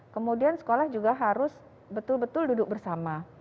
kemudian sekolah juga harus betul betul duduk bersama